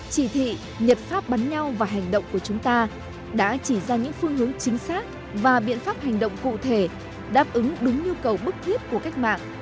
chỉ thị nhật pháp bắn nhau và hành động của chúng ta đã chỉ ra những phương hướng chính xác và biện pháp hành động cụ thể đáp ứng đúng nhu cầu bức thiết của cách mạng